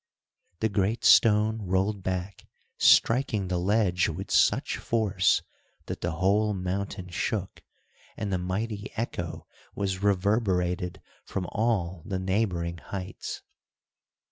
The great stone rolled back, striking the ledge with such force that the whole mountain shook, and the mighty echo was reverberated from all the neighboring heights.